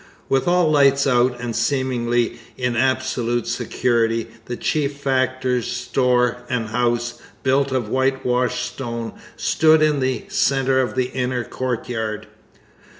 With all lights out and seemingly in absolute security, the chief factor's store and house, built of whitewashed stone, stood in the centre of the inner courtyard.